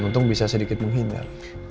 untung bisa sedikit menghindar